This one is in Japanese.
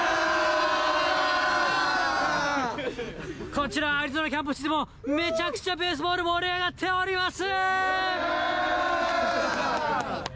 こちら、アリゾナキャンプ地でもめちゃくちゃベースボール盛り上がっております！